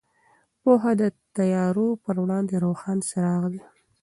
پوهه د تیارو پر وړاندې روښان څراغ دی.